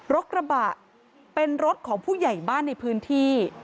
รถกระบะเป็นรถของผู้ใหญ่บ้านในพื้นที่